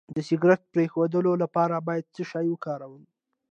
د سګرټ د پرېښودو لپاره باید څه شی وکاروم؟